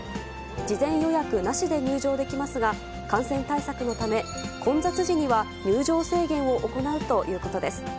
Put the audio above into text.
事前予約なしで入場できますが、感染対策のため、混雑時には入場制限を行うということです。